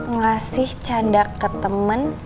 ngasih canda ke temen